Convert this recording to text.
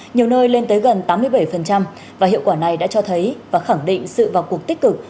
nhiều nơi lên tới gần tám mươi bảy và hiệu quả này đã cho thấy và khẳng định sự vào cuộc tích cực